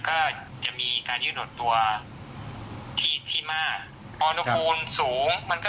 ก็จะมีการยื่นหดตัวที่ที่มากพออุณหภูมิสูงมันก็